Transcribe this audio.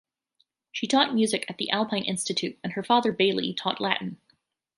She taught music at the Alpine Institute, and her father, Bailey, taught Latin.